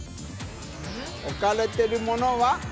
置かれているものは？